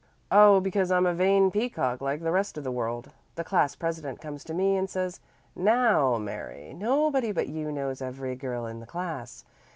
"Oh, because I'm a vain peacock like the rest of the world. The class president comes to me and says, 'Now Mary, nobody but you knows every girl in the class.